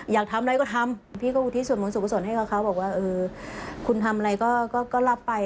อยากทำอะไรก็ทำพี่ก็อุทิศส่วนบุญสุขสนให้เขาเขาบอกว่าเออคุณทำอะไรก็รับไป